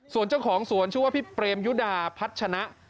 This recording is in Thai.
ส่วนเจ้าของสวนชื่อว่าพี่เปรมยุดาพัชนะ